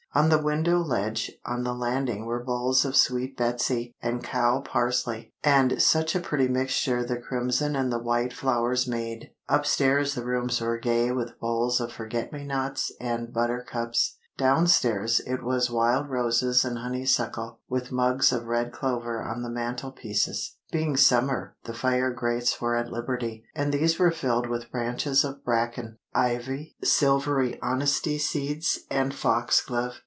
On the window ledge on the landing were bowls of Sweet Betsy and cow parsley—and such a pretty mixture the crimson and the white flowers made. Upstairs the rooms were gay with bowls of forget me nots and buttercups. Downstairs it was wild roses and honeysuckle, with mugs of red clover on the mantelpieces. Being summer, the fire grates were at liberty, and these were filled with branches of bracken, ivy, silvery honesty seeds, and foxglove.